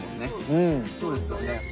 そうですよね。